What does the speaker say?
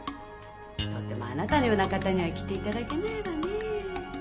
とてもあなたのような方には来ていただけないわねえ。